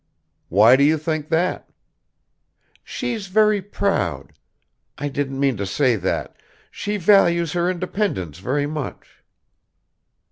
"Why do you think that?" "She's very proud ... I didn't mean to say that .. she values her independence very much."